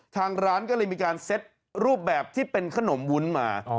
ทางร้านก็เลยมีการเซ็ตรูปแบบที่เป็นขนมวุ้นมา